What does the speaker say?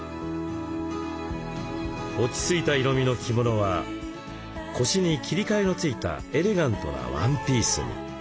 落ち着いた色みの着物は腰に切り替えのついたエレガントなワンピースに。